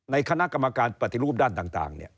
คณะกรรมการปฏิรูปด้านต่าง